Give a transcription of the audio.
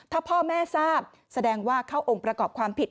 ถ้าพ่อแม่ทราบแสดงว่าเข้าองค์ประกอบความผิด